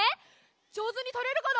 じょうずにとれるかな？